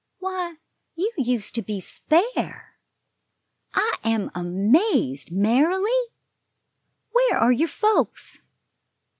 Why, you used to be spare. I am amazed, Marilly! Where are your folks?"